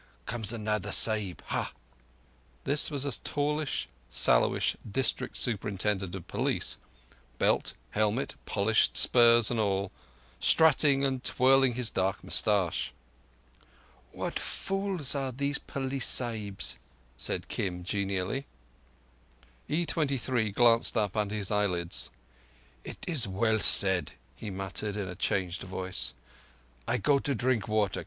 Comes another Sahib! Ah!" This was a tallish, sallowish District Superintendent of Police—belt, helmet, polished spurs and all—strutting and twirling his dark moustache. "What fools are these Police Sahibs!" said Kim genially. E23 glanced up under his eyelids. "It is well said," he muttered in a changed voice. "I go to drink water.